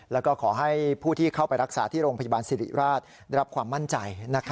แล้วก็ขอให้ผู้ที่เข้าไปรักษาที่โรงพยาบาลสิริราชได้รับความมั่นใจ